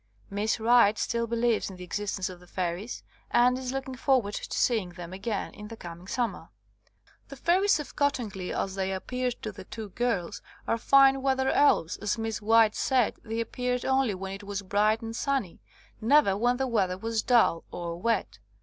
Miss Wright still believes in the existence of the fairies, and is looking forward to see ing them again in the coming summer. The fairies of Cottingley, as they ap peared to the two girls, are fine weather 69 THE COMING OF THE FAIRIES elves, as Miss Wright said they appeared only when it was bright and sunny; never when the weather was dull or wet.